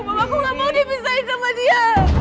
aku gak mau dipisahin sama dia